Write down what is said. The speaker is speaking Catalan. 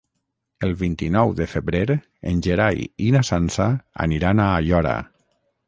El vint-i-nou de febrer en Gerai i na Sança aniran a Aiora.